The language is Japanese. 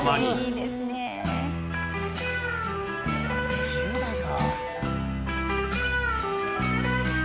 ２０代か。